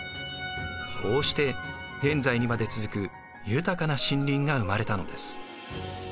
こうして現在にまで続く豊かな森林が生まれたのです。